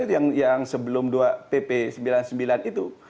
yang sebelum pp sembilan puluh sembilan itu